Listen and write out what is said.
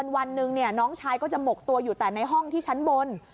วันหนึ่งน้องชายก็จะหมกตัวอยู่แต่ในห้องที่ชั้นบน